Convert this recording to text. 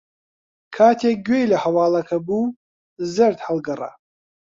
کاتێک گوێی لە ھەواڵەکە بوو، زەرد ھەڵگەڕا.